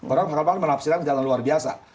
orang orang melapsirkan jalan luar biasa